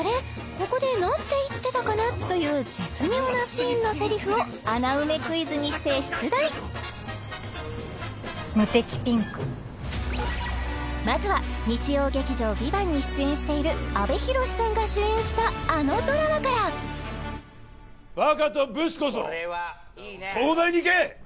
ここでなんて言ってたかなという絶妙なシーンのセリフを穴埋めクイズにして出題無敵ピンクまずは日曜劇場「ＶＩＶＡＮＴ」に出演している阿部寛さんが主演したあのドラマからバカとブスこそ東大に行け！